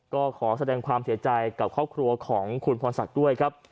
ก็ขอแสดงความเสียใจกับครอบครัวของคุณพรศักดิ์ด้วยครับ